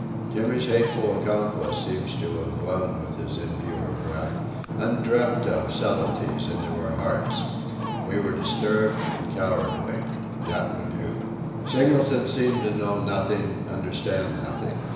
Jimmy's hateful accomplice seemed to have blown with his impure breath undreamt of subtleties into our hearts. We were disturbed and cowardly. That we knew. Singleton seemed to know nothing, understand nothing.